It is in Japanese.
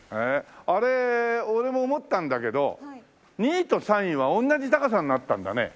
あれ俺も思ったんだけど２位と３位は同じ高さになったんだね。